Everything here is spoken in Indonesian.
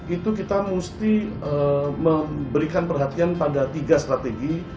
itu kita mesti memberikan perhatian pada tiga strategi